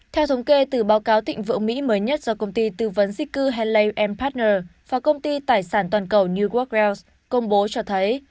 theo thống kê từ báo cáo tịnh vượng mỹ mới nhất do công ty tư vấn di cư henley partners và công ty tài sản toàn cầu new work grounds công bố cho thấy